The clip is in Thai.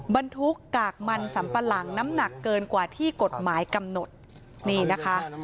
บรรทุกกากมันสัมปะหลังน้ำหนักเกินกว่าที่กฎหมายกำหนดนี่นะคะ